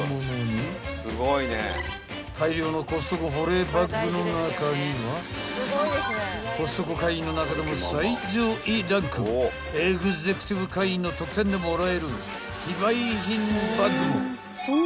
［大量のコストコ保冷バッグの中にはコストコ会員の中でも最上位ランクエグゼクティブ会員の特典でもらえる非売品バッグも］